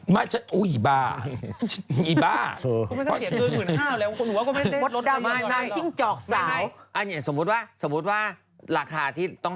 ถ้าเกินหมื่นห้าแล้วก็ยังไม่ได้หรอกทุกคน